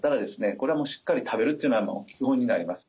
これはもうしっかり食べるっていうのはもう基本になります。